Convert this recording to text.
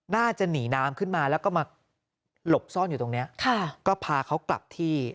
น่าจะหนีน้ำขึ้นมาแล้วก็มาหลบซ่อนอยู่ตรงเนี้ยค่ะก็พาเขากลับที่